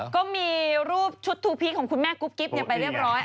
ก็มีรูปชุดทูพีคของคุณแม่กุ๊บกิ๊บไปเรียบร้อย